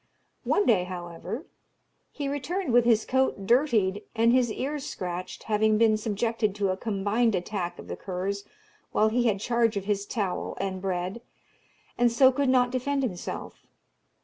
One day, however, he returned with his coat dirtied and his ears scratched, having been subjected to a combined attack of the curs while he had charge of his towel and bread, and so could not defend himself.